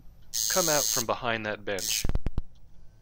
Come out from behind that bench.